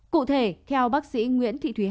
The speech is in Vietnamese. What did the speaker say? cụ thể theo bác sĩ nguyễn thị thúy hằng